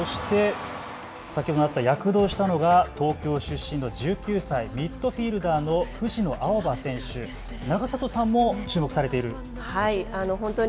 先ほど躍動したのが東京出身の１９歳、ミッドフィルダーの藤野あおば選手、永里さんも注目されているんですね。